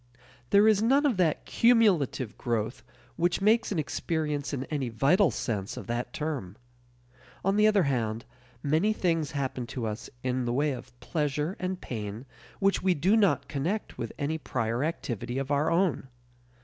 There is none of that cumulative growth which makes an experience in any vital sense of that term. On the other hand, many things happen to us in the way of pleasure and pain which we do not connect with any prior activity of our own.